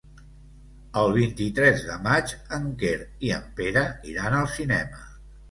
El vint-i-tres de maig en Quer i en Pere iran al cinema.